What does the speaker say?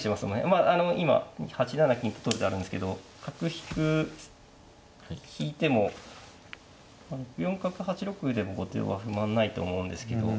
まああの今８七金と取る手あるんですけど角引く引いても６四角８六歩でも後手は不満ないと思うんですけど。